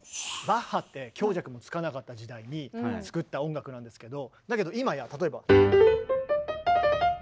バッハって強弱もつかなかった時代に作った音楽なんですけどだけど今や例えば。